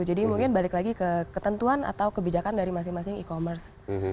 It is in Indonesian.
jadi mungkin balik lagi ke ketentuan atau kebijakan dari masing masing e commerce